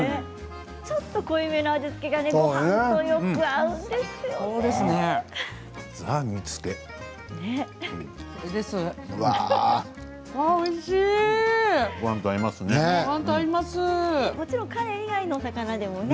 ちょっと濃いめの味付けとごはんが合うんですよね。